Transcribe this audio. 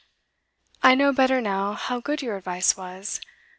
I know better now how good your advice was.